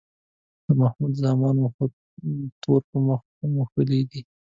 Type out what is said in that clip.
د محمود زامنو خو تور په مخ موښلی دی